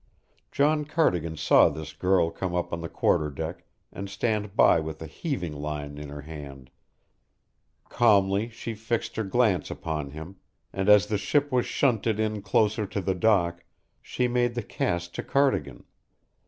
John Cardigan saw this girl come up on the quarter deck and stand by with a heaving line in her hand; calmly she fixed her glance upon him, and as the ship was shunted in closer to the dock, she made the cast to Cardigan.